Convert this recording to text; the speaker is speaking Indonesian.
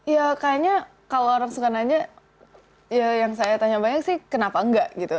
ya kayaknya kalau orang suka nanya ya yang saya tanya banyak sih kenapa enggak gitu